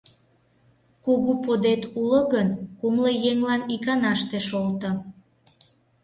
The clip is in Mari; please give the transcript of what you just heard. Кугу подет уло гын, кумло еҥлан иканаште шолто.